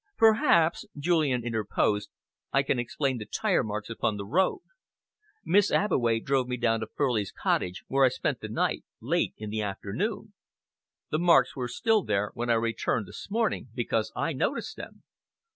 "Perhaps," Julian interposed, "I can explain the tyre marks upon the road. Miss Abbeway drove me down to Furley's cottage, where I spent the night, late in the afternoon. The marks were still there when I returned this morning, because I noticed them."